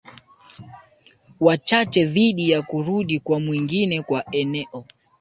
wachache dhidi ya kurudi kwa mwingine kwa eneo